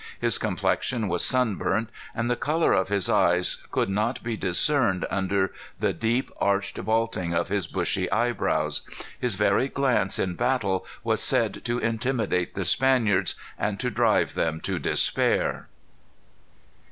His complexion was sunburnt, and the color of his eyes could not be discerned under the deep, arched vaulting of his bushy eyebrows. His very glance in battle was said to intimidate the Spaniards, and to drive them to despair."